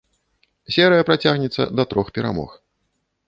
Серыя працягнецца да трох перамог.